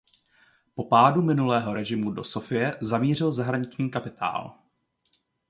Po pádu minulého režimu do Sofie zamířil zahraniční kapitál.